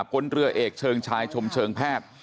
พลเรือเอกเชิงชายชมเชิงแพทย์